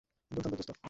দুর্দান্ত, দোস্ত!